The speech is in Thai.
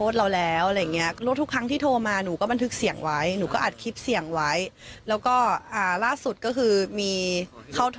เดี๋ยวท่านฟังนะฮะ